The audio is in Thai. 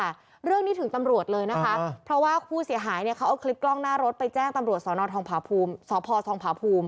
ที่นี้ถึงตำรวจเลยนะคะมีข้าวคลิปกล้องหน้ารถอุ่มมาแล้วผ่านใส่ผู้พวกเขา